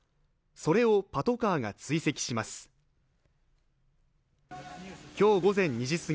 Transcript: それをパトカーが追跡します。